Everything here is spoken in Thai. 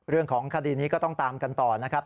เรื่องของคดีนี้ก็ต้องตามกันต่อนะครับ